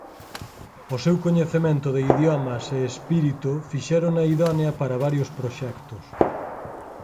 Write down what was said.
O seu coñecemento de idiomas e espírito fixérona idónea para varios proxectos.